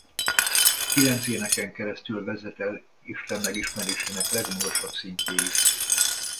Kilenc éneken keresztül vezet el Isten megismerésének legmagasabb szintjéig.